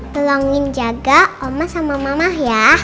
tuangin jaga oma sama mama ya